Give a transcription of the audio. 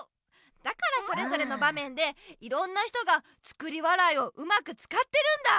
だからそれぞれのばめんでいろんな人が「作り笑い」をうまくつかってるんだ！